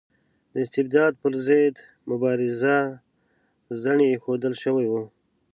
د استبداد پر ضد مبارزه زڼي ایښودل شوي وو.